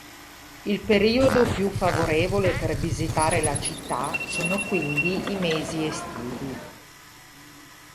Il periodo più favorevole per visitare la città sono quindi i mesi estivi.